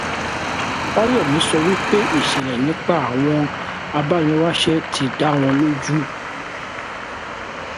Fáyẹmí sọ pé ìṣẹ̀lẹ̀ nípa àwọn abániwáṣẹ́ ti dá wọn lójú.